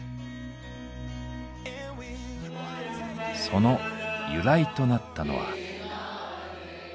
その由来となったのは。